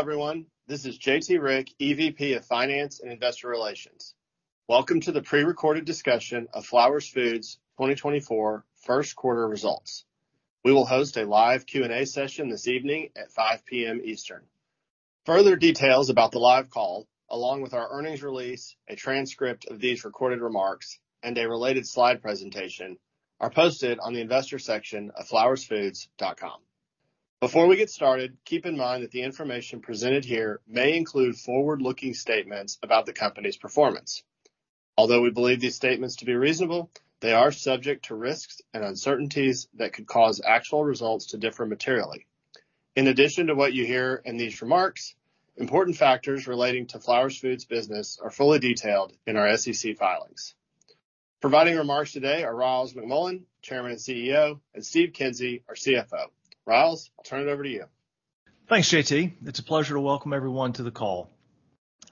Hello, everyone, this is J.T. Rieck, EVP of Finance and Investor Relations. Welcome to the prerecorded discussion of Flowers Foods' 2024 Q1 Results. We will host a live Q&A session this evening at 5:00 P.M. Eastern. Further details about the live call, along with our earnings release, a transcript of these recorded remarks, and a related slide presentation, are posted on the investor section of flowersfoods.com. Before we get started, keep in mind that the information presented here may include forward-looking statements about the company's performance. Although we believe these statements to be reasonable, they are subject to risks and uncertainties that could cause actual results to differ materially. In addition to what you hear in these remarks, important factors relating to Flowers Foods' business are fully detailed in our SEC filings. Providing remarks today are Ryals McMullian, Chairman and CEO, and Steve Kinsey, our CFO. Ryals, I'll turn it over to you. Thanks, J.T. It's a pleasure to welcome everyone to the call.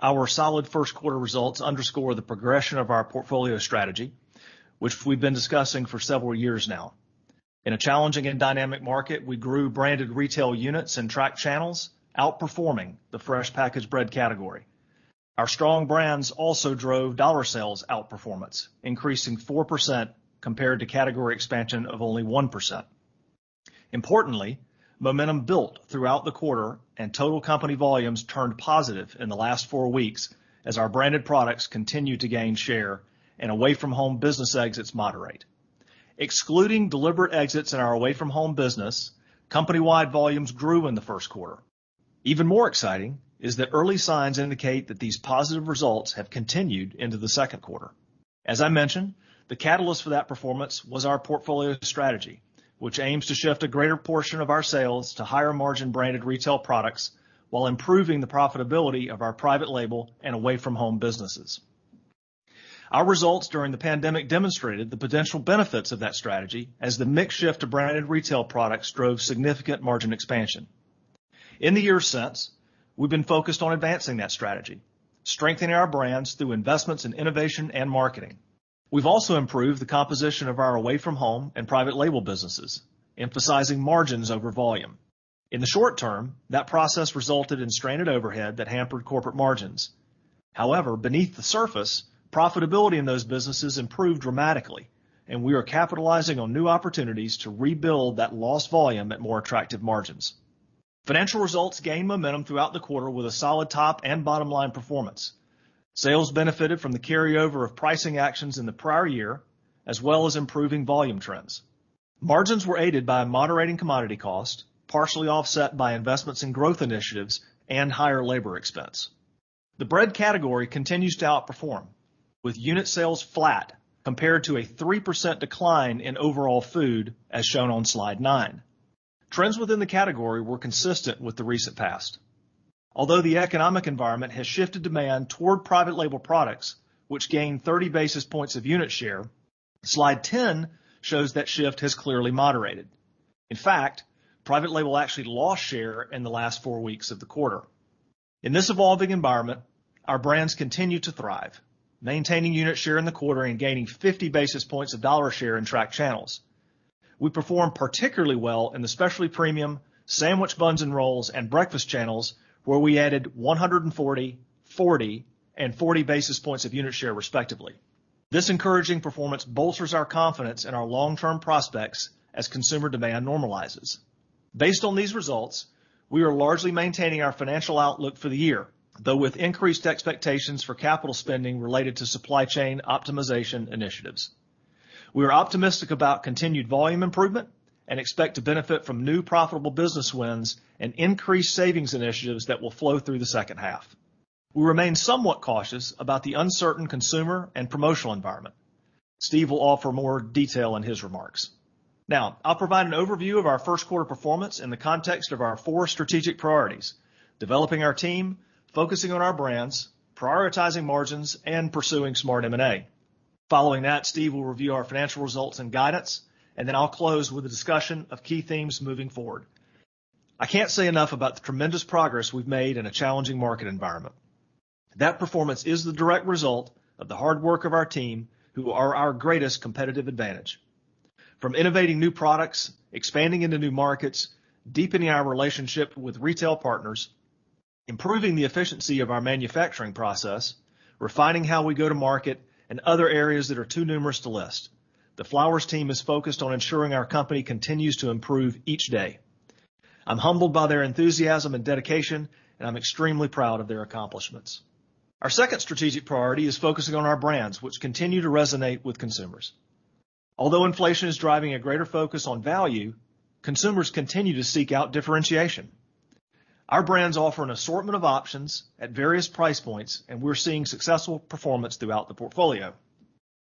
Our solid Q1 results underscore the progression of our portfolio strategy, which we've been discussing for several years now. In a challenging and dynamic market, we grew branded retail units and tracked channels, outperforming the fresh packaged bread category. Our strong brands also drove dollar sales outperformance, increasing 4% compared to category expansion of only 1%. Importantly, momentum built throughout the quarter, and total company volumes turned positive in the last four weeks as our branded products continue to gain share and away from home business exits moderate. Excluding deliberate exits in our away from home business, company-wide volumes grew in Q1. Even more exciting is that early signs indicate that these positive results have continued into Q2. As I mentioned, the catalyst for that performance was our portfolio strategy, which aims to shift a greater portion of our sales to higher margin branded retail products while improving the profitability of our private label and away from home businesses. Our results during the pandemic demonstrated the potential benefits of that strategy as the mix shift to branded retail products drove significant margin expansion. In the years since, we've been focused on advancing that strategy, strengthening our brands through investments in innovation and marketing. We've also improved the composition of our away from home and private label businesses, emphasizing margins over volume. In the short term, that process resulted in stranded overhead that hampered corporate margins. However, beneath the surface, profitability in those businesses improved dramatically, and we are capitalizing on new opportunities to rebuild that lost volume at more attractive margins. Financial results gained momentum throughout the quarter with a solid top and bottom line performance. Sales benefited from the carryover of pricing actions in the prior year, as well as improving volume trends. Margins were aided by a moderating commodity cost, partially offset by investments in growth initiatives and higher labor expense. The bread category continues to outperform, with unit sales flat compared to a 3% decline in overall food, as shown on slide 9. Trends within the category were consistent with the recent past. Although the economic environment has shifted demand toward private label products, which gained 30 basis points of unit share, slide 10 shows that shift has clearly moderated. In fact, private label actually lost share in the last four weeks of the quarter. In this evolving environment, our brands continue to thrive, maintaining unit share in the quarter and gaining 50 basis points of dollar share in track channels. We performed particularly well in the specialty premium, sandwich buns and rolls, and breakfast channels, where we added 140, 40, and 40 basis points of unit share, respectively. This encouraging performance bolsters our confidence in our long-term prospects as consumer demand normalizes. Based on these results, we are largely maintaining our financial outlook for the year, though with increased expectations for capital spending related to supply chain optimization initiatives. We are optimistic about continued volume improvement and expect to benefit from new profitable business wins and increased savings initiatives that will flow through the second half. We remain somewhat cautious about the uncertain consumer and promotional environment. Steve will offer more detail in his remarks. Now, I'll provide an overview of our Q1 performance in the context of our four strategic priorities: developing our team, focusing on our brands, prioritizing margins, and pursuing smart M&A. Following that, Steve will review our financial results and guidance, and then I'll close with a discussion of key themes moving forward. I can't say enough about the tremendous progress we've made in a challenging market environment. That performance is the direct result of the hard work of our team, who are our greatest competitive advantage. From innovating new products, expanding into new markets, deepening our relationship with retail partners, improving the efficiency of our manufacturing process, refining how we go to market, and other areas that are too numerous to list, the Flowers team is focused on ensuring our company continues to improve each day. I'm humbled by their enthusiasm and dedication, and I'm extremely proud of their accomplishments. Our second strategic priority is focusing on our brands, which continue to resonate with consumers. Although inflation is driving a greater focus on value, consumers continue to seek out differentiation. Our brands offer an assortment of options at various price points, and we're seeing successful performance throughout the portfolio.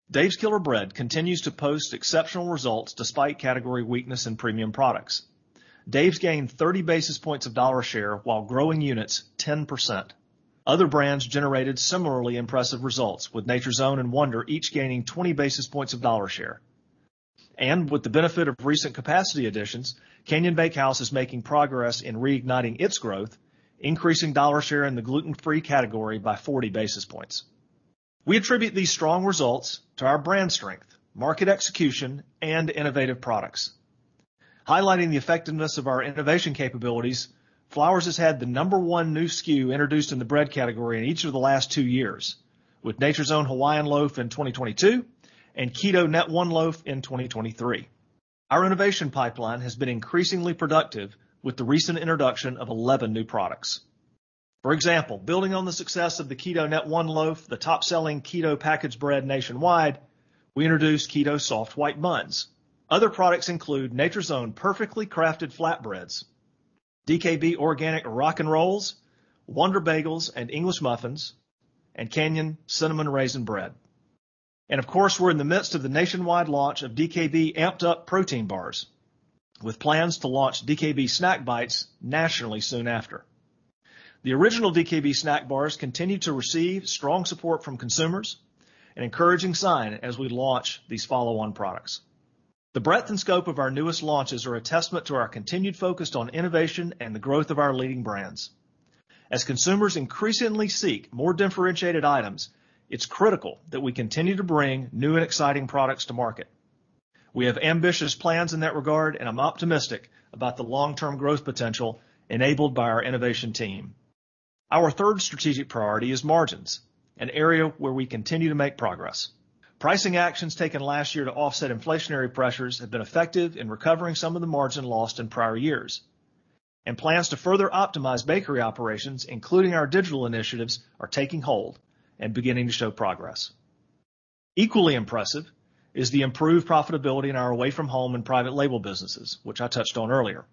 Dave's Killer Bread continues to post exceptional results despite category weakness in premium products. Dave's gained 30 basis points of dollar share while growing units 10%. Other brands generated similarly impressive results, with Nature's Own and Wonder each gaining 20 basis points of dollar share. With the benefit of recent capacity additions, Canyon Bakehouse is making progress in reigniting its growth, increasing dollar share in the gluten-free category by 40 basis points. We attribute these strong results to our brand strength, market execution, and innovative products. Highlighting the effectiveness of our innovation capabilities, Flowers has had the number one new SKU introduced in the bread category in each of the last two years, with Nature's Own Hawaiian Loaf in 2022 and Keto Net-One Loaf in 2023. Our innovation pipeline has been increasingly productive with the recent introduction of 11 new products. For example, building on the success of the Keto Net-One Loaf, the top-selling keto packaged bread nationwide, we introduced Keto Soft White Buns. Other products include Nature's Own Perfectly Crafted Flatbreads, DKB Organic Rock 'N' Rolls, Wonder Bagels and Wonder English Muffins, and Canyon Cinnamon Raisin Bread. And of course, we're in the midst of the nationwide launch of DKB Amped-Up Protein Bars, with plans to launch DKB Snack Bites nationally soon after. The original DKB Snack Bars continue to receive strong support from consumers, an encouraging sign as we launch these follow-on products. The breadth and scope of our newest launches are a testament to our continued focus on innovation and the growth of our leading brands. As consumers increasingly seek more differentiated items, it's critical that we continue to bring new and exciting products to market. We have ambitious plans in that regard, and I'm optimistic about the long-term growth potential enabled by our innovation team. Our third strategic priority is margins, an area where we continue to make progress. Pricing actions taken last year to offset inflationary pressures have been effective in recovering some of the margin lost in prior years, and plans to further optimize bakery operations, including our digital initiatives, are taking hold and beginning to show progress. Equally impressive is the improved profitability in our away from home and private label businesses, which I touched on earlier.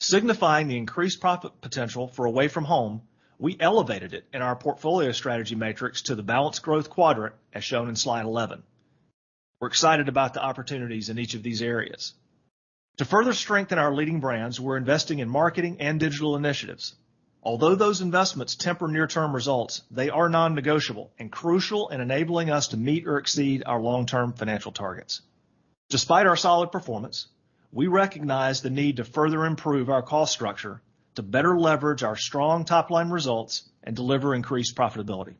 Signifying the increased profit potential for away from home, we elevated it in our portfolio strategy matrix to the balanced growth quadrant, as shown in slide 11. We're excited about the opportunities in each of these areas. To further strengthen our leading brands, we're investing in marketing and digital initiatives. Although those investments temper near-term results, they are non-negotiable and crucial in enabling us to meet or exceed our long-term financial targets. Despite our solid performance, we recognize the need to further improve our cost structure to better leverage our strong top-line results and deliver increased profitability.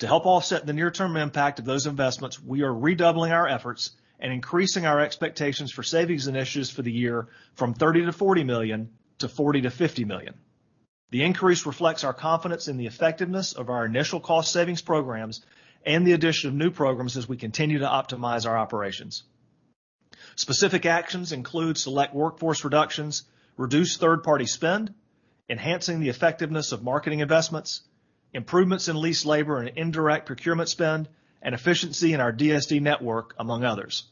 To help offset the near-term impact of those investments, we are redoubling our efforts and increasing our expectations for savings initiatives for the year from $30 - 40 million to $40 - 50 million. The increase reflects our confidence in the effectiveness of our initial cost savings programs and the addition of new programs as we continue to optimize our operations. Specific actions include select workforce reductions, reduced third-party spend, enhancing the effectiveness of marketing investments, improvements in leased labor and indirect procurement spend, and efficiency in our DSD network, among others.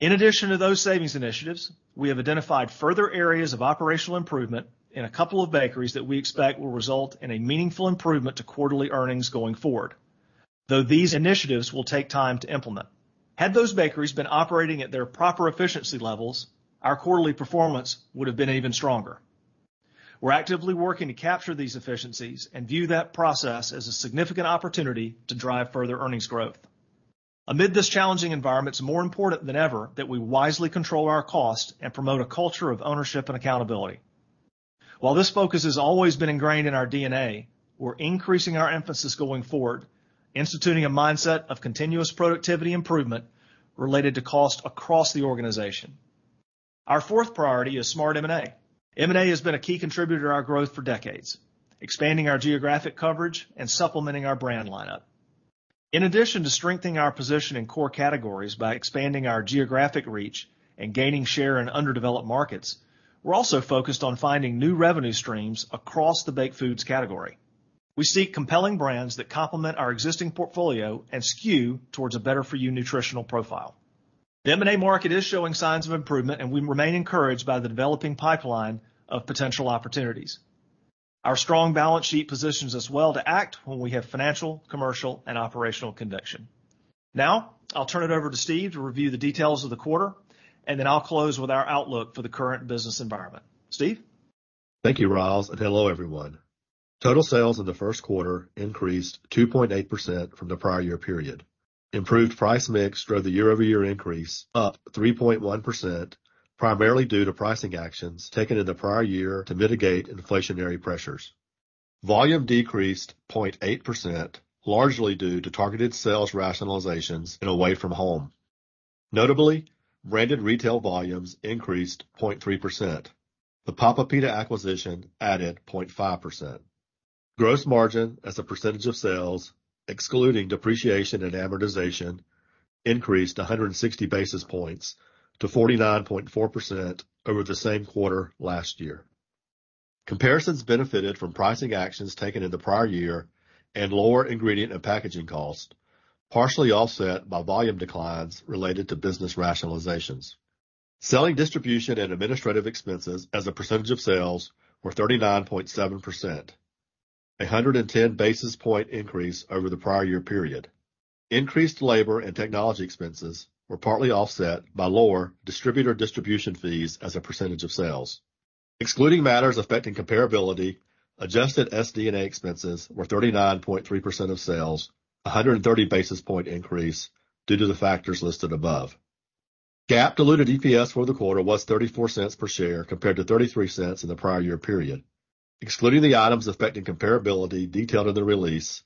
In addition to those savings initiatives, we have identified further areas of operational improvement in a couple of bakeries that we expect will result in a meaningful improvement to quarterly earnings going forward, though these initiatives will take time to implement. Had those bakeries been operating at their proper efficiency levels, our quarterly performance would have been even stronger. We're actively working to capture these efficiencies and view that process as a significant opportunity to drive further earnings growth. Amid this challenging environment, it's more important than ever that we wisely control our costs and promote a culture of ownership and accountability. While this focus has always been ingrained in our DNA, we're increasing our emphasis going forward, instituting a mindset of continuous productivity improvement related to cost across the organization. Our fourth priority is smart M&A. M&A has been a key contributor to our growth for decades, expanding our geographic coverage and supplementing our brand lineup. In addition to strengthening our position in core categories by expanding our geographic reach and gaining share in underdeveloped markets, we're also focused on finding new revenue streams across the baked foods category. We seek compelling brands that complement our existing portfolio and skew towards a better-for-you nutritional profile. The M&A market is showing signs of improvement, and we remain encouraged by the developing pipeline of potential opportunities. Our strong balance sheet positions us well to act when we have financial, commercial, and operational conviction. Now, I'll turn it over to Steve to review the details of the quarter, and then I'll close with our outlook for the current business environment. Steve? Thank you, Ryals, and hello, everyone. Total sales in Q1 increased 2.8% from the prior year period. Improved price mix drove the year-over-year increase, up 3.1%, primarily due to pricing actions taken in the prior year to mitigate inflationary pressures. Volume decreased 0.8%, largely due to targeted sales rationalizations in away from home. Notably, branded retail volumes increased 0.3%. The Papa Pita acquisition added 0.5%. Gross margin, as a percentage of sales, excluding depreciation and amortization, increased 160 basis points to 49.4% over the same quarter last year. Comparisons benefited from pricing actions taken in the prior year and lower ingredient and packaging costs, partially offset by volume declines related to business rationalizations. Selling, distribution, and administrative expenses as a percentage of sales were 39.7%, a 110 basis point increase over the prior year period. Increased labor and technology expenses were partly offset by lower distributor distribution fees as a percentage of sales. Excluding matters affecting comparability, adjusted SD&A expenses were 39.3% of sales, a 130 basis point increase due to the factors listed above. GAAP diluted EPS for the quarter was $0.34 per share, compared to 0.33 in the prior year period. Excluding the items affecting comparability detailed in the release,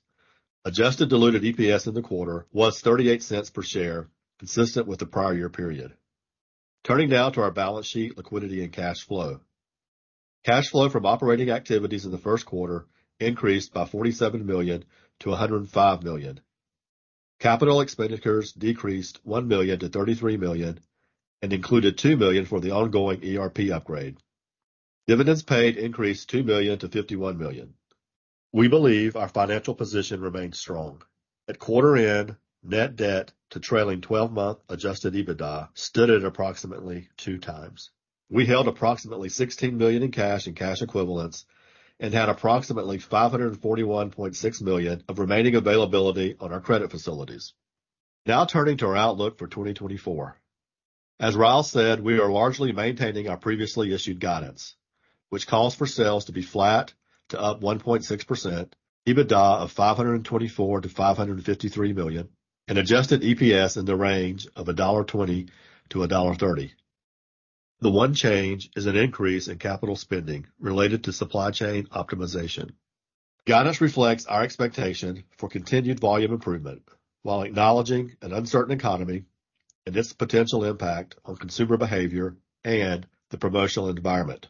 adjusted diluted EPS in the quarter was $0.38 per share, consistent with the prior year period. Turning now to our balance sheet, liquidity, and cash flow. Cash flow from operating activities in the Q1 increased by $47 to 105 million. Capital expenditures decreased $1 to 33 million and included $2 million for the ongoing ERP upgrade. Dividends paid increased $2 to 51 million. We believe our financial position remains strong. At quarter end, net debt to trailing twelve-month adjusted EBITDA stood at approximately 2x. We held approximately $16 million in cash and cash equivalents and had approximately $541.6 million of remaining availability on our credit facilities. Now, turning to our outlook for 2024. As Ryals said, we are largely maintaining our previously issued guidance, which calls for sales to be flat to up 1.6%, EBITDA of $524 -553 million, and adjusted EPS in the range of $1.20-1.30. The one change is an increase in capital spending related to supply chain optimization. Guidance reflects our expectation for continued volume improvement, while acknowledging an uncertain economy and its potential impact on consumer behavior and the promotional environment.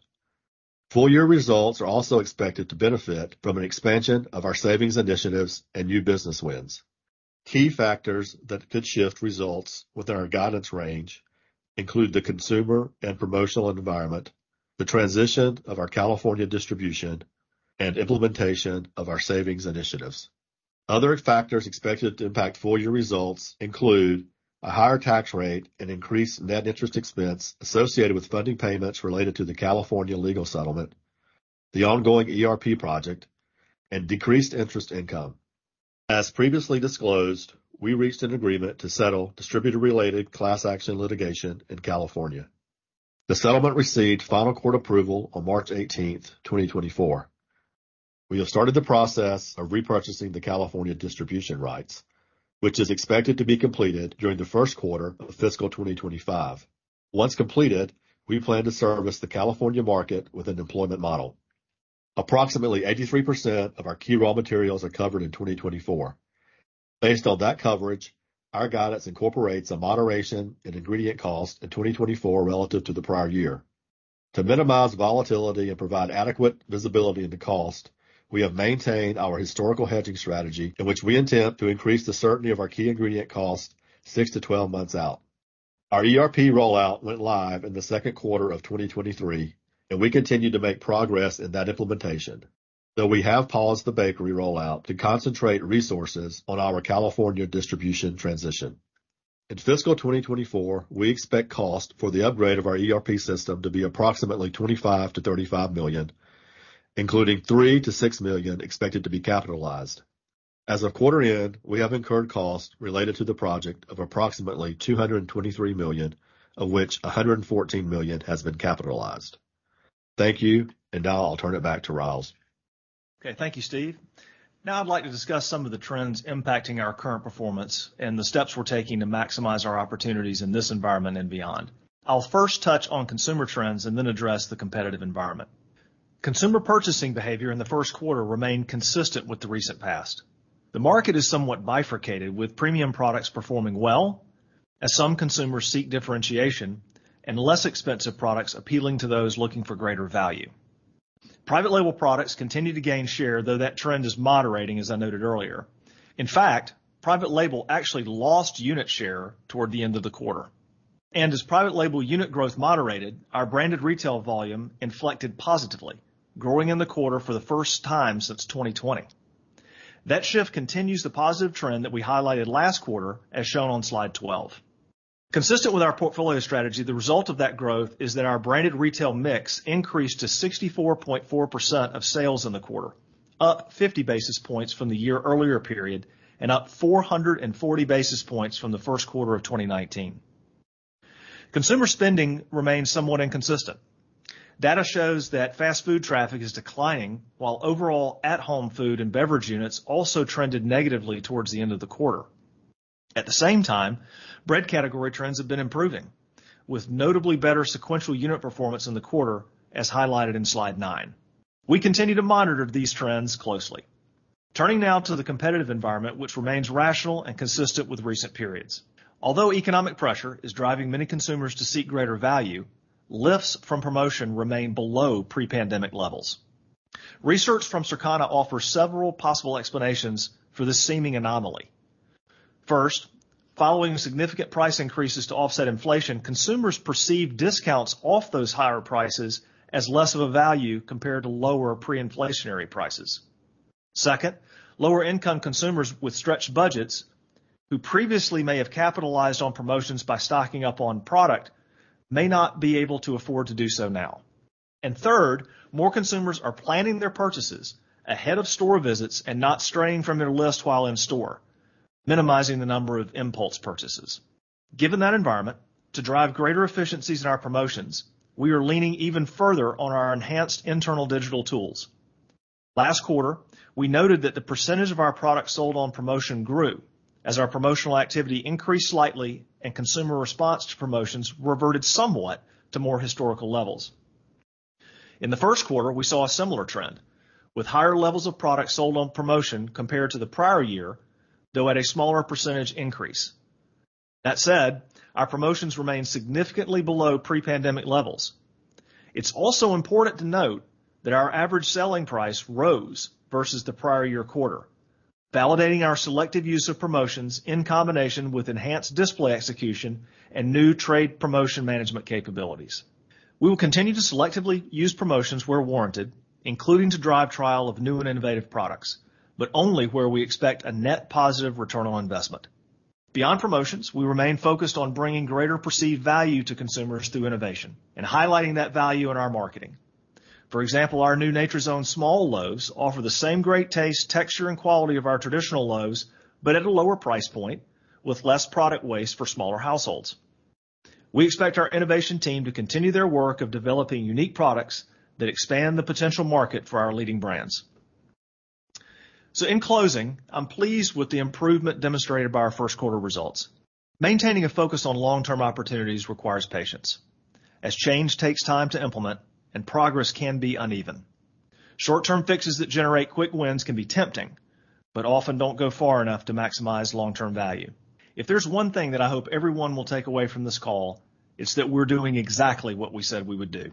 Full year results are also expected to benefit from an expansion of our savings initiatives and new business wins. Key factors that could shift results within our guidance range include the consumer and promotional environment, the transition of our California distribution, and implementation of our savings initiatives. Other factors expected to impact full year results include a higher tax rate and increased net interest expense associated with funding payments related to the California legal settlement, the ongoing ERP project, and decreased interest income. As previously disclosed, we reached an agreement to settle distributor-related class action litigation in California. The settlement received final court approval on March 18, 2024. We have started the process of repurchasing the California distribution rights, which is expected to be completed during Q1 of fiscal 2025. Once completed, we plan to service the California market with a employment model. Approximately 83% of our key raw materials are covered in 2024. Based on that coverage, our guidance incorporates a moderation in ingredient cost in 2024 relative to the prior year. To minimize volatility and provide adequate visibility into cost, we have maintained our historical hedging strategy in which we intend to increase the certainty of our key ingredient costs six to 12 months out. Our ERP rollout went live in Q2 of 2023, and we continue to make progress in that implementation, though we have paused the bakery rollout to concentrate resources on our California distribution transition. In fiscal 2024, we expect costs for the upgrade of our ERP system to be approximately $25- 35 million, including $3- 6 million expected to be capitalized. As of quarter end, we have incurred costs related to the project of approximately $223 million, of which 114 million has been capitalized. Thank you, and now I'll turn it back to Ryals. Okay, thank you, Steve. Now I'd like to discuss some of the trends impacting our current performance and the steps we're taking to maximize our opportunities in this environment and beyond. I'll first touch on consumer trends and then address the competitive environment. Consumer purchasing behavior in Q1 remained consistent with the recent past. The market is somewhat bifurcated, with premium products performing well as some consumers seek differentiation and less expensive products appealing to those looking for greater value. Private label products continue to gain share, though that trend is moderating, as I noted earlier. In fact, private label actually lost unit share toward the end of the quarter. And as private label unit growth moderated, our branded retail volume inflected positively, growing in the quarter for the first time since 2020. That shift continues the positive trend that we highlighted last quarter, as shown on slide 12. Consistent with our portfolio strategy, the result of that growth is that our branded retail mix increased to 64.4% of sales in the quarter, up 50 basis points from the year earlier period and up 440 basis points from Q1 of 2019. Consumer spending remains somewhat inconsistent. Data shows that fast food traffic is declining, while overall at-home food and beverage units also trended negatively towards the end of the quarter. At the same time, bread category trends have been improving, with notably better sequential unit performance in the quarter, as highlighted in slide nine. We continue to monitor these trends closely. Turning now to the competitive environment, which remains rational and consistent with recent periods. Although economic pressure is driving many consumers to seek greater value, lifts from promotion remain below pre-pandemic levels. Research from Circana offers several possible explanations for this seeming anomaly. First, following significant price increases to offset inflation, consumers perceive discounts off those higher prices as less of a value compared to lower pre-inflationary prices. Second, lower-income consumers with stretched budgets, who previously may have capitalized on promotions by stocking up on product, may not be able to afford to do so now. And third, more consumers are planning their purchases ahead of store visits and not straying from their list while in store, minimizing the number of impulse purchases. Given that environment, to drive greater efficiencies in our promotions, we are leaning even further on our enhanced internal digital tools. Last quarter, we noted that the percentage of our products sold on promotion grew as our promotional activity increased slightly and consumer response to promotions reverted somewhat to more historical levels. In Q1, we saw a similar trend, with higher levels of products sold on promotion compared to the prior year, though at a smaller percentage increase. That said, our promotions remain significantly below pre-pandemic levels. It's also important to note that our average selling price rose versus the prior year quarter, validating our selective use of promotions in combination with enhanced display execution and new trade promotion management capabilities. We will continue to selectively use promotions where warranted, including to drive trial of new and innovative products, but only where we expect a net positive return on investment. Beyond promotions, we remain focused on bringing greater perceived value to consumers through innovation and highlighting that value in our marketing. For example, our new Nature's Own small loaves offer the same great taste, texture, and quality of our traditional loaves, but at a lower price point with less product waste for smaller households. We expect our innovation team to continue their work of developing unique products that expand the potential market for our leading brands. So in closing, I'm pleased with the improvement demonstrated by our Q1 results. Maintaining a focus on long-term opportunities requires patience, as change takes time to implement and progress can be uneven. Short-term fixes that generate quick wins can be tempting, but often don't go far enough to maximize long-term value. If there's one thing that I hope everyone will take away from this call, it's that we're doing exactly what we said we would do: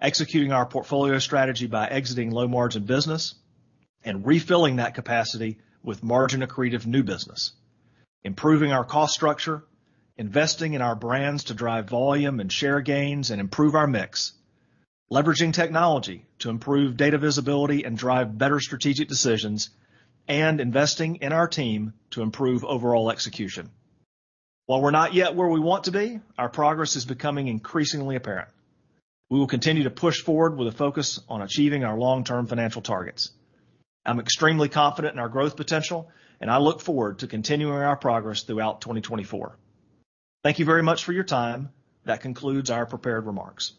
executing our portfolio strategy by exiting low-margin business and refilling that capacity with margin-accretive new business, improving our cost structure, investing in our brands to drive volume and share gains and improve our mix, leveraging technology to improve data visibility and drive better strategic decisions, and investing in our team to improve overall execution. While we're not yet where we want to be, our progress is becoming increasingly apparent. We will continue to push forward with a focus on achieving our long-term financial targets. I'm extremely confident in our growth potential, and I look forward to continuing our progress throughout 2024. Thank you very much for your time. That concludes our prepared remarks.